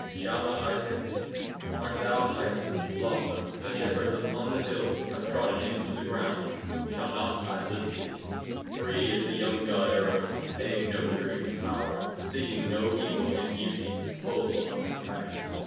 Shall not I take thee? Art thou a hyacinth blossom 5 The shepherds upon the hills Have trodden into the ground? Shall not I lift thee? Free is the young god Eros, Paying no tribute to power, 10 Seeing no evil in beauty, Full of compassion.